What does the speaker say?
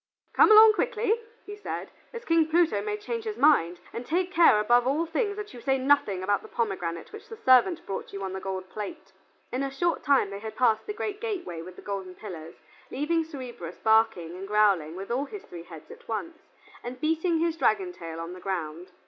"Come along quickly," he said, "as King Pluto may change his mind, and take care above all things that you say nothing about the pomegranate which the servant brought you on the gold plate." In a short time they had passed the great gateway with the golden pillars, leaving Cerberus barking and growling with all his three heads at once, and beating his dragon tail on the ground.